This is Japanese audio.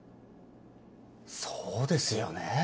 そうですよね。